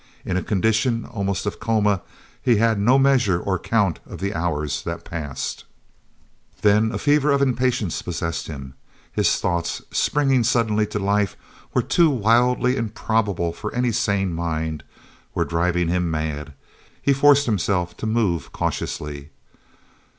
In a condition almost of coma, he had no measure or count of the hours that passed. Then a fever of impatience possessed him; his thoughts, springing suddenly to life, were too wildly improbable for any sane mind, were driving him mad. He forced himself to move cautiously.